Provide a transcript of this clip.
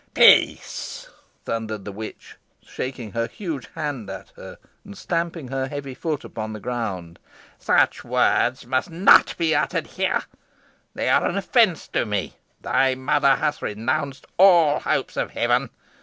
"Peace!" thundered the witch, shaking her huge hand at her, and stamping her heavy foot upon the ground. "Such words must not be uttered here. They are an offence to me. Thy mother has renounced all hopes of heaven.